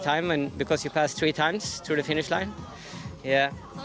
karena anda berjalan tiga kali melalui lintasan terakhir